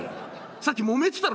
さっきもめてたろ？